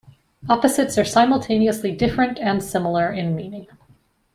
Opposites are simultaneously different and similar in meaning.